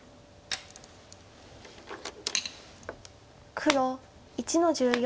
黒１の十四。